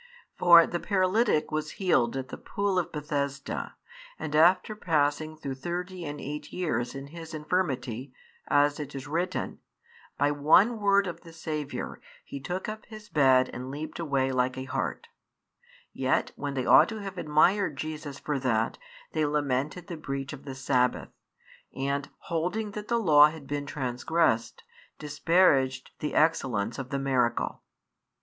For the paralytic was healed at the pool of Bethesda, and after passing through thirty and eight years in his infirmity, as it is written, by one word of the Saviour he took up his bed and leaped away like a hart: yet when they ought to have admired Jesus for that, they lamented the breach of the sabbath, and, holding that the law had been transgressed, disparaged the excellence of the miracle.